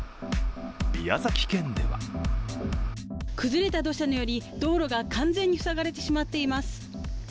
宮崎県では崩れた土砂により道路が完全に塞がれてしまっています。